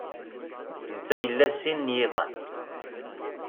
Netta ila sin n yiḍan.